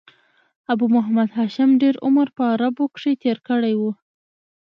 ابو محمد هاشم ډېر عمر په عربو کښي تېر کړی وو.